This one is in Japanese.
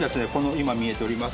今見えております